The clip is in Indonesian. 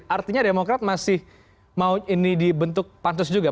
artinya demokrat masih mau ini dibentuk pansus juga